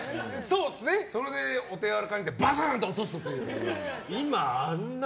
それでお手柔らかにでバスーンと落とすという。